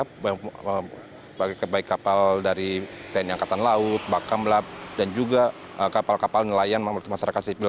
baik kapal dari tni angkatan laut bakam lab dan juga kapal kapal nelayan masyarakat sipil